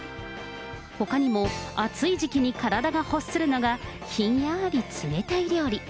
ほかにも暑い時期に体が欲するのが、ひんやり冷たい料理。